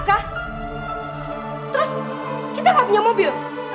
terus kita nggak punya mobil